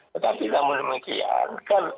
tetapi namun demikian kan